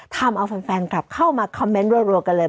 ทำเอาแฟนกลับเข้ามาคอมเมนต์รัวกันเลย